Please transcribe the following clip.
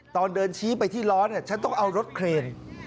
ตอนเดินชี้ไปที่ล้อเนี่ยฉันต้องเอารถเครน